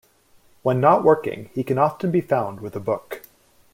When not working, he can often be found with a book.